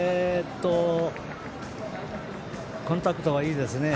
コンタクトがいいですね